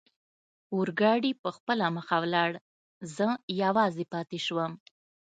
اورګاډي پخپله مخه ولاړ، زه یوازې پاتې شوم.